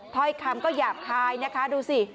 เพราะอีกคำก็หยาบคลายนะคะดูสิ